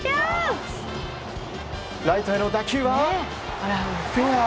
ライトへの打球はフェア。